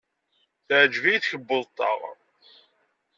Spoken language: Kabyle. Teɛjeb-iyi tkebbuḍt-a.